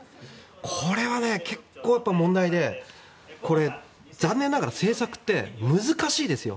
これは結構問題でこれ、残念ながら政策って難しいですよ。